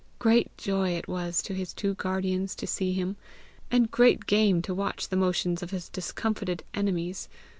Great joy it was to his two guardians to see him, and great game to watch the motions of his discomfited enemies.